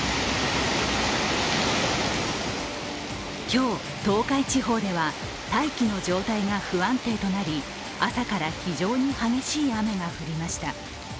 今日、東海地方では大気の状態が不安定となり、朝から非常に激しい雨が降りました。